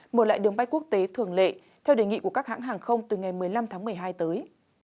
mở lại đường bay quốc tế thường lệ theo đề nghị của các hãng hàng không từ ngày một mươi năm tháng một mươi hai tới